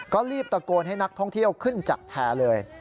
ก็รีบตะโกนให้นักท่องเที่ยวขึ้นจากแพร่เลย